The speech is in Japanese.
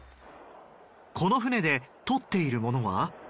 この船で取っているものは？